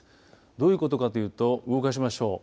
どういうことかというと動かしましょう。